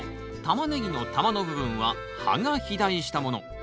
タマネギの球の部分は葉が肥大したもの。